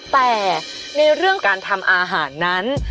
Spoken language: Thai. แต่ในเรื่องการทำอาหารนั้น